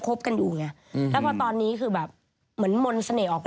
ก็คือตอนที่เขาคบกันไง